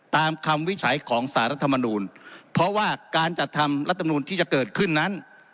คำวิจัยของสารรัฐมนูลเพราะว่าการจัดทำรัฐมนูลที่จะเกิดขึ้นนั้น